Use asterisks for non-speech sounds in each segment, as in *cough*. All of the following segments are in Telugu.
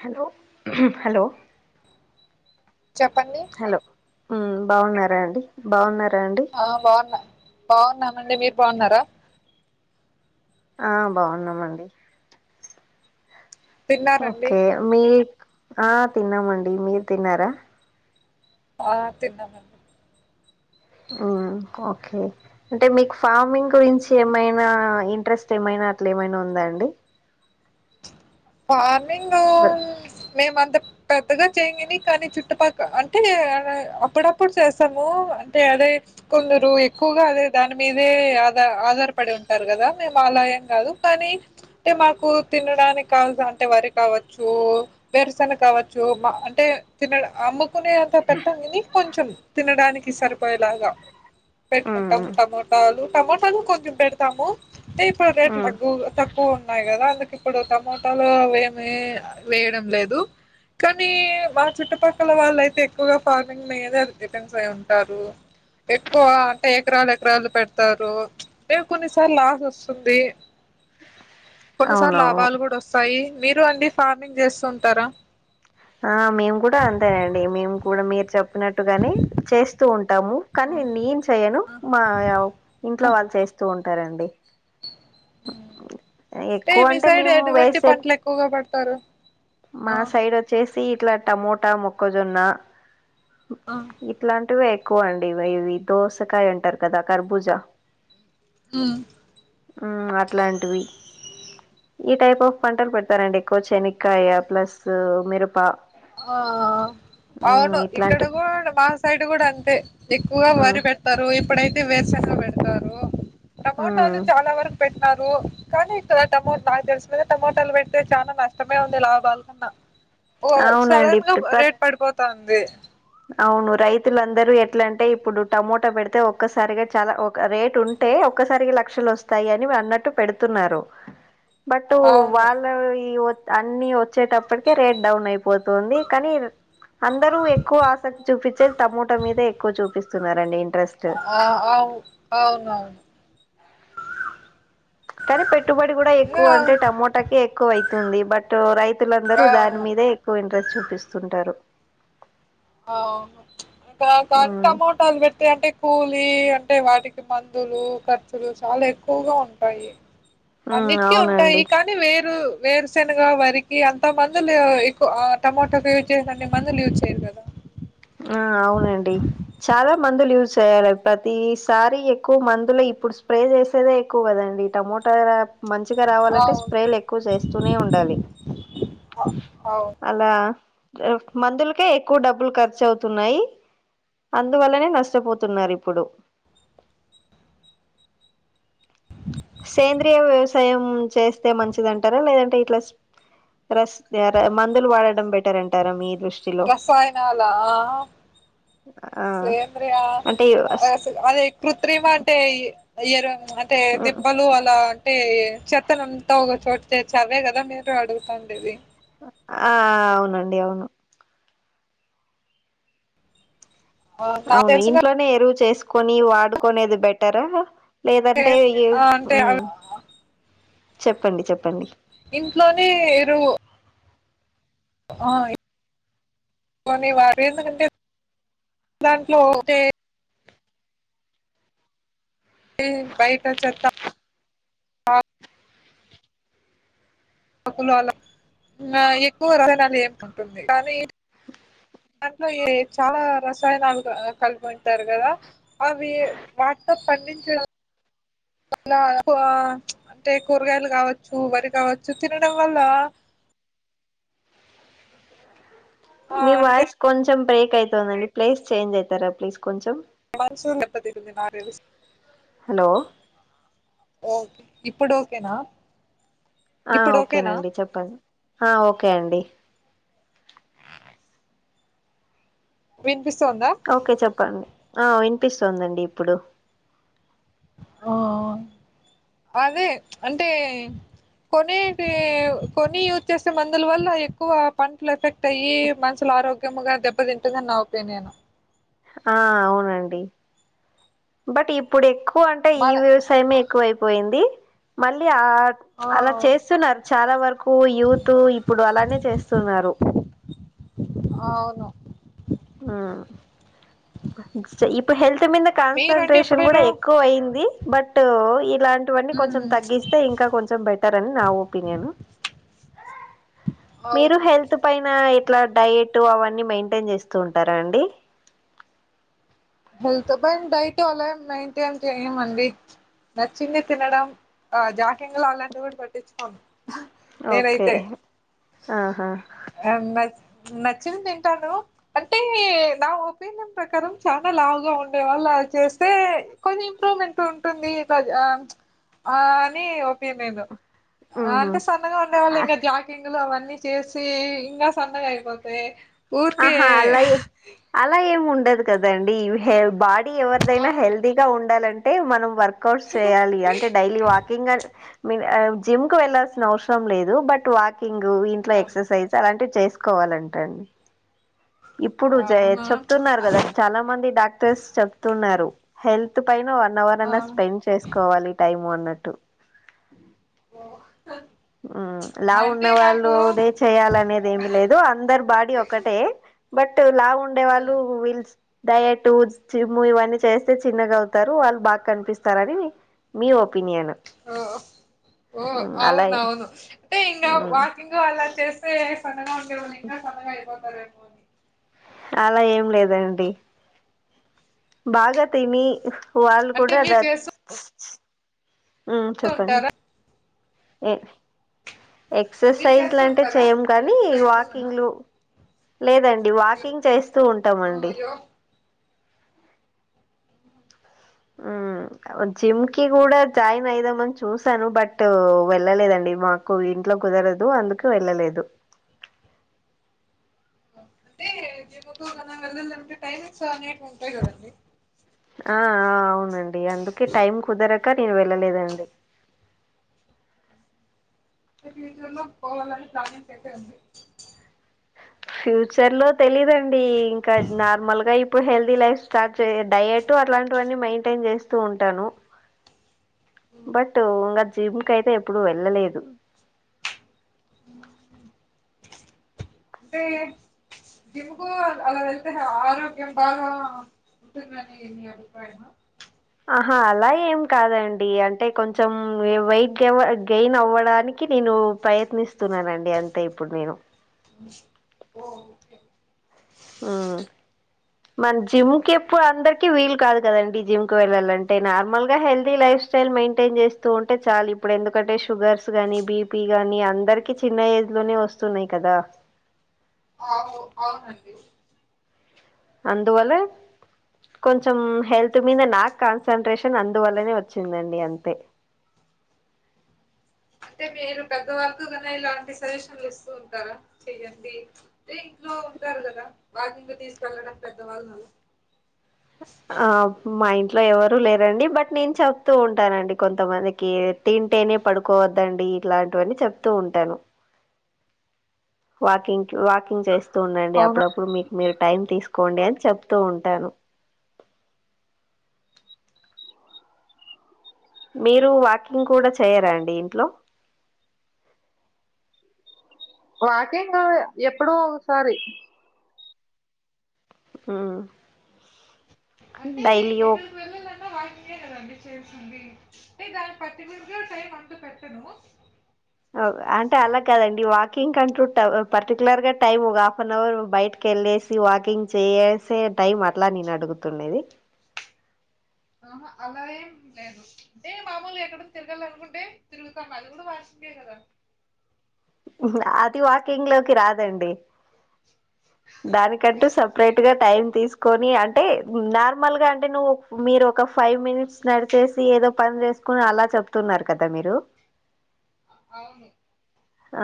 హలో హలో చెప్పండి మ్ బావున్నారా అండి బావున్నారు ఆ బాగున్నా బాగున్నానండి మీరు బావున్నారా ఆ బావున్నామండి తిన్నారండి ఓకే మీ ఆ తిన్నామండి మీరు తిన్నారా ఆ తిన్నామండి ఉమ్, ఓకే అంటే మీకు ఫార్మింగ్ గురించి ఏమైనా ఇంట్రెస్ట్ ఏమైనా అట్లా ఏమైనా ఉందాండి ఫార్మింగ్ బ- మేము అంత పెద్దగా చేయం గానీ కాని చుట్టుపక్క అంటే అప్పుడప్పుడు చేస్తాము అంటే అదే కొందరు ఎక్కువగా అదే దాని మీదే ఆధ ఆధారపడి ఉంటారు కదా మేము మెం కాదు కానీ అంటే మాకు తినడానికి కావల్సన అంటే వరి కావచ్చు వేరుశనగ కావచ్చు మా అంటే తినడం అమ్ము కునేంత పెట్టం గని కొంచెం తినడానికి సరిపోయేలాగా ఉమ్, పెట్టుకుంటాము టమోటాలు టమోటాను కొంచెం పెడతాము అంటే ఇప్పుడు రేట్ ఉమ్, తగ్గు తక్కువ ఉన్నాయి కదా అందుకు ఇప్పుడు టమోటలూ అవేమి వేయడం లేదు కానీ మా చుట్టుపక్కల వాళ్ళయితే ఎక్కువగా ఫార్మింగ్ మీద ఎటెన్స్ అయి ఉంటారు ఎక్కువ అంటే ఎకరాలు ఎకరాలు పెడతారు మేము కొన్నిసార్లు లాస్ వస్తుంది కొన్నిసార్లు అవునవును లాభాలు కూడా వస్తాయి మీరు అండి ఫార్మింగ్ చేస్తూ ఉంటారా ఆ మేము కూడా అంతేనండి మేము కూడా మీరు చెప్పినట్టుగాని చేస్తూ ఉంటాము ఆ, కానీ నేను చెయను ఆ, మా ఇంట్లో ఆ. వాళ్ళు చేస్తూ ఉంట్ ఉంటారండి ఏయ్ ఎక్కువ మీ అంటే సైడ్ మేము ఎటువంటి వేసే పంటలు ఎక్కువగా పడతారు మా ఆ సైడ్ వచ్చేసి ఇట్లా టమోటా మొక్కజొన్న ఆ ఇట్లాంటివె ఎ ఎక్కువ అండివి ఇవి దోసకాయ అంటారు కదా కర్బూజా ఉమ్ మ్ అట్లాంటివి ఈ టైప్ ఆఫ్ పంటలు పెడతారండి ఎక్కువ చెనక్కాయ ప్లస్ మిరప ఆ మ్మ్ అవును ఇక్కడ ఇట్లాంటి కూడా మా సైడ్ కూడా అంతే ఎక్కువగా మ్మ్ వరి పెడతారు ఇప్పుడైతే వేర్ శెనగా పెడతారు మ్మ్ టమోటాది చాలా వరకు పెట్టినారు కానీ ఇ క్కడటమోట నాకు తెలిసుద టమోటాలు పెడితే చాలా నష్టమే ఉంది లాభాల కన్నా ఓ అవునండి సడన్ గా ప్రత్ రేట్ పడిపోతా ఉంది అవును రైతులందరూ ఎట్లాంటే ఇప్పుడు టమోటా పెడితే ఒక్కసారిగా చాలా ఒక రేట్ ఉంటే స్తే ఒక్కసారికి లక్షలు వస్తాయి అని నువ్వు అన్నట్టు పెడుతున్నారు బట్టు అవును వాళ్ళయి అన్ని వచ్చేటప్పటికే రేట్ డౌన్ అయిపోతుంది కానీ అందరూ ఎక్కువ ఆసక్తి చూపిచేది టమోటా మీదే ఎక్కువ చూపిస్తున్నారండి ఇం ఆ అవు అవునవును కానీ పెట్టుబడి కూడా ఆ ఎక్కువ అంటే టమోటాకి ఎక్కువ అయితుంది బట్టు రైతులందరూ దాని అవును మీదే ఎక్కువ ఇంట్రెస్ట్ చూపిస్తుంటారు ఆ అవును ఇంకా గంత ఉమ్ అమౌంట్ అది పెడతాయంటే కూ లి అంటే వాటికి మందులు ఖర్చులు చాలా ఎక్కువగా ఉంటాయి ఉమ్ అన్నిటికీ ఉంటాయి అవునండి కానీ వేరు వేరుశనగా వరికి అంత మందులు ఎక్కువ టమాటకి యూజ్ చేసిన అన్ని మందులు యూజ్ చేయ్యరు కదా ఆ అవునండి చాలా మందులు యూజ్ చేయాలి ప్రతిసారి ఎక్కువ మందులు ఇప్పుడు స్ప్రే చేసేదే ఎక్కువ కదండి టమోట మంచిగా రావాలంటే అవును. స్ప్రేలు ఎక్కువ చేస్తూనే ఉండాలి అవును. అలా మందులకే ఎక్కువ డబ్బులు ఖ ర్చు అవుతున్నాయి అందువల్లనే నష్టపోతున్నారు ఇప్పుడు *inaudible* సేంద్రియ వ్యవసాయం చేస్తే మంచిదింటారా లేదంటే ఇట్లా మందులు వాడటం బె రసాయానాల ఆ సేంద్రీయ అంటే అదే కృత్రిమ అంటే ఎరు అంటే దిబ్బలు అలా అంటే చెత్తనంతా ఒక చోటు చేర్చి అవే కదా మీరు అడుగుతుండేది ఆ అవునండి అవును ఆ నాకు అవును తెలిసినయితే ఇంట్లోనే ఎరువు చేసుకొని వాడుకునేది బెటరా లేదంటే ఆ అంటే ఉమ్మ్ అవి చెప్పండి చెప్పండి ఇంట్లోనే ఎరువు ఆ కొని వారు ఎందుకంటే *inaudible* దాంట్లో ఒకటే అ బయట చెత్తా *inaudible* ఆకులు అలా *inaudible* ఇంగ ఎక్కువ రసాయనాలు ఏముంటుంది కానీ *inaudible* దాంట్లో ఎ చాలా రసాయనాలు కలుపుంటారు కదా అవి వాటితో పండించ *unintelligible* అంటే కూరగాయలు కావచ్చు వరి కావచ్చు తినడం వల్ల ఆ మీ అంటే వాయిస్ కొంచెం బ్రేక్ అయితుందండి ప్లేస్ చేంజ్ అయితారా ప్లీజ్ కొంచెం మనసు దెబ్బ తింటుంది నాకు తెల్సి హలో ఇప్పుడు ఓకేనా ఆ ఇప్పుడు ఓకేనా ఓకేనండి చెప్పండి ఆ ఓకే అండి వినిపిస్తోందా ఓకే చెప్పండి ఆ విన్పిస్తుందండి ఇప్పుడు ఆఆ అదే అంటే కొనేటి కొని యూస్ చేసే మందులు వల్ల ఎక్కువ పంటలు ఎఫె తయి మనుసుల ఆరోగ్యముగా దెబ్బ తింటుందని నా ఒపీనియను ఆ అవునండి బట్ ఇప్పుడు ఎక్కు పు అంటే ఈ మన వ్యవసాయమే ఎక్కువ అయిపోయింది మళ్ళీ *unintelligible* అలా ఆ చేస్తున్నారు చాలా వరకూ యూత్ ఇప్పుడు అలానే చేస్తున్నారు అవును హ్మ్. ఇప్పుడు హెల్త్ మింద మీరండి కాన్సన్ట్రేషన్ కూడా ఎప్పుడైనా ఎక్కువయ్యింది బట్ ఇలాంటివన్నీ కొంచెం ఉమ్ తగ్గిస్తే ఇంకా కొంచెం బెట్ టర్ అని నా ఒపీనియన్ మీరు అవును హెల్త్ పైన ట్లా డైట్ అవన్నీ మెయింటైన్ చేస్తూ ఉంటారా అండి హెల్త్ బన్ డైట్ అలా ఏం మెయింటైన్ చెయ్యమండి నచ్చింది తినడం ఆ జాహింగ్ లు అలాంటివి కూడా పట్టిచ్చుకోం ఓకే నేనైతే ఆహా అం బ నచ్చింది తింటాను అంటే నా ఒపీనియన్ ప్రకారం చా నా లావుగా ఉండే వాళ్ళు ఆ చేస్తే కొంచం ఇంప్రూవ్మెంట్ ఉంటుంది ఆ ఆ అని ఒపీనియన్ ఉహు అంటే సన్నగా ఉండేవాళ్ళు ఆ- ఇంకా జాకింగులు అవన్ నీ చేసి ఇంకా సన్నగా అయిపోతే ఆహా అలా ఏ అలా ఏం ఉండదు కదండి యూ హేవ్ బా డీ ఆ ఎవరిదైనా హెల్దీగా ఉండాలంటే మనం వర్క్ కౌట్స్ చెయ్యాలి అంటే డైలీ వాకింగ్ అన్ మిన్ అవ్ జిమ్ కు వెళ్లాల్సిన అవసరం లేదు బట్ వాకింగ్ ఇంట్లో ఆ ఎక్సర్సైజ్ అలాంటి చేసుకోవాలంట అండి ఇప్పుడు జె అవునా చెప్తున్నారు కదా చాలా మంది డాక్టర్స్ చెప్తున్నారు హెల్త్ పైన వాళ్ నవర్ ఆ అన్నా స్పెండ్ చేసుకోవాలి టైము అన్నట్టు ఓ ఊ లావు ఉన్న అంటే వాళ్ళు నాకు లడే చెయ్యాలనేది ఏమి లేదు అందరూ బాడీ ఒకటే బట్ లావు ఉండే వాళ్ళు విల్స్ డయటు చిమ్ము ఇవన్నీ చేస్తే చిన్నగా అవుతారు వాళ్ళు బాగా కన్పిస్తారని మీ ఒపీనియన్ ఓ ఓ అలా అవునువు అంటే ఇంకా వాకింగ్ అలా చేస్తే సన్నగా ఉండే వాళ్ళు ఇంకా సన్నగా అయిపో తారేమో అని అలా ఏం లేదండి బాగా తిని వాళ్ళ అంటే కూడా ర మీరు చేస్తూ ఉమ్ చెప్పండి ఉంటారా ఏ మీరు ఎక్సర్సైజ్ లు చేస్తూ అంటే ఉంటారా చెయ్యం కానీ ఎక్సర్సైజ్లు గన వాకింగ్ లు లేదండి యో వాకింగ్ చేస్తూ ఆ ఉంటామండి యో ఔను జిమ్ కి కూడా జాయిన్ అయిదామని చూసాను బట్ వెళ్ళలేదండి మాకు ఇం ట్లో కుదరదు అందుకు వెళ్ళలేదు అంటే జిమ్ముకు గానా వెళ్ళాలంటే టైమింగ్స్ అనేటివి ఉంటాయి కదండి ఆ ఆ అవునండి అందుకే టైం కుదర క నేను వెళ్ళలేదండి *inaudible* ఎటు అన్నా పోవాలని ప్లానింగ్స్ ఐతే ఉంది ఫ్యూచర్ లో తెలీదండి ఇంకా నార్మల్గా ఇప్పుడు హెల్దీ లైఫ్ స్టార్ట్ డయట్ అలా అలాంటివన్నీ మెయింటైన్ చేస్తూ ఉంటాను బట్ ఇంకా జిమ్ క అయితే ఎప్పుడు వెళ్ళలేదు అంటే జిమ్కు అలా వెళ్తే ఆరోగ్యం బాగా నె ఉటగానే ఎన్ని మిఅభిప్రాయమా ఆహా అలా ఏం కాదండి అంటే కొంచెం వెయిట్ గెయిన్ అవ్వడానికి నేను ఒప్రయత్నిస్తున్నానండి అంతే ఇప్పుడు నేను చిప్ఓ ఆ మన జిమ్కి ఎప్పుడు అందరికిీ వీలు కాదు కదండి జిమ్ కు వెళ్లాలంటే నార్మల్ గా హెల్దీ లైఫ్ స్టైల్ మెయింటైన్ చేస్తూ ఉంటే చాలుా ఇప్పుడు ఎందుకంటే షుగర్స్ గానీ బిపీ కాని అందరికి చిన్న యిత్ ఇం ట్లులోనే వస్తున్నాయి కదా అవు అవునండి అందువలే కొంచెం హెల్త్ మీద నాకు కాన్సన్ంట్రేషన్ అందువల్లనే వచ్చిందండి అంతే అంటే మీరు పెద్ద వరకు క ఇలాంటి సజెషన్లు ఇస్తూ ఉంటారా చెయయండి చయి వాకింక తీసుకెళ్ళడం పెద్దవాళ్ళు ఆ మా ఇంట్లో ఎవరుూ లేరండి బట్ నేను చెప్తూ ఉంటానండి కొంతమందికి తింటే న పడుకోవద్దండి ఇట్లాంటివన్నీ చెప్తూ ఉంటాను వాకింగ్ వాకింగ్ చేస్తూ ఉండండి అవును అప్పుడప్పుడు మీకు మీరు టైమ్ తీసుకు కోండి అని చెప్తూ ఉంటాను మీరు వాకింగ్ కూడా చేయరాా అండి ఇంట్లో వాకేం కా ఎప్పుడు ఒకసారి ఉడైలీ యిక్ కదంీ చేసింది న దానికి పర్టికులర్గా టైం అంత పెట్టను అంటే అలా కాదండి వాకింగ్ అంటూ వుం ట వు పర్టికు్యలర్ గా టైం ఒక హాఫ్ అన్ అవర్ బయటకి వెళ్ళేసి వాకింగ్ చేసి టైం అట్లా నేను అడుగుతున్నది ఆహా అలా ఏం లేదు అంటే మామూలు ఎక్కడ తిరగాలనుకుంటే తిరుగుతాం అది కూడా వస్ అం తెకదా అది వాకింగ్ లోకి రాదండి దానికంటూ సపరేట్ లేదు గా టైం తీసుకు కొని అంటే నార్మల్ గా అంటే నువ్వు మీరు ఒక ఫైవ్ మినిట్స్ నడిచేసి ఏదో పని చేస్త కుని అలా చెప్తున్నారు కదా మీరు అవును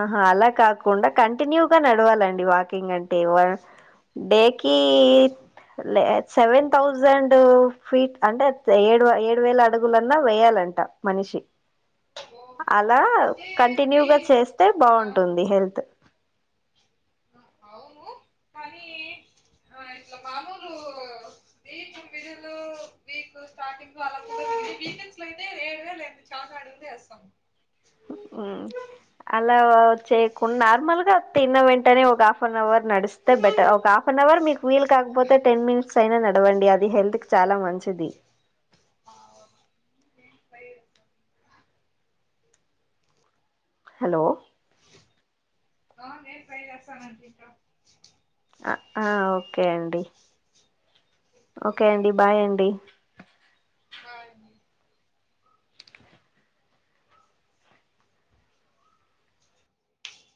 ఆహా అలా కాకుండా కంటిన్యూగా నడవాలండి వాకింగ్ అంటే వ డేకి లెద్ సెవెన్ థౌజండ్ ఫీట్ అంటే ఏడు ఏడు వేల అడుగులన్నా వేయాలంట మనిషి కి ఓ చెఅలా అంటే వి కంటిన్యూగా చేస్తే ఆ బాగుంటుంది హెల్త్ అవును కానీ ఆ ఇట్లా మామూలు దీపం విధలు వీక్ స్ార్ంగ్ అలాెడుే చా అడిస్తాం ఉ అలా వ చేయకుండా నార్మల్ గా తిన్న వెంటనే ఒక హాఫ్ అన్ అవర్ నడిస్తే బెటర్ ఒక హాఫ్ అన్ అవర్ మీకు వీలు కాకపోతే టెన్ మినిట్స్ అయినా నడవండి అది హెల్త్ కి చాలా మంచిది. పై రసం హలో ఆ నేను ట్రై చేస్తాను అండి ఇంకా ఆ ఓకే అండి ఓకే అండి బాయ్ అండి బాయ్ అండి